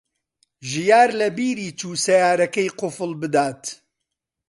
ژیار لەبیری چوو سەیارەکەی قوفڵ بدات.